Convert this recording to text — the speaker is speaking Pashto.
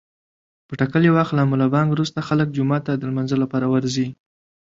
په ټاکلي وخت له ملابانګ روسته خلک جومات ته د لمانځه لپاره ورځي.